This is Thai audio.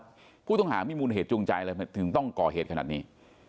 ผู้ตำรวจหากมีมูลเหตุจงใจมันถึงต้องก่อเหตุขนาดนี้